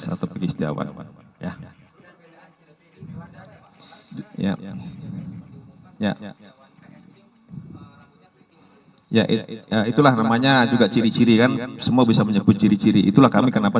strategi setiawan ya itulah namanya juga ciri ciri kan semua bisa menyebut ciri ciri itulah kami kenapa